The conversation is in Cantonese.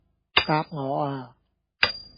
答我呀